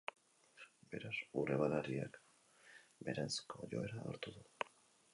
Beraz, ur-emariak beheranzko joera hartu du.